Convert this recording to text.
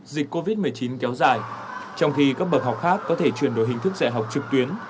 dịch covid một mươi chín kéo dài trong khi các bậc học khác có thể chuyển đổi hình thức dạy học trực tuyến